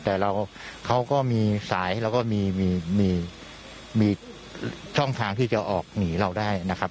แต่เขาก็มีสายแล้วก็มีช่องทางที่จะออกหนีเราได้นะครับ